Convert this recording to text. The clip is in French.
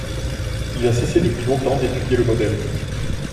Il a cessé depuis longtemps d'étudier le modèle.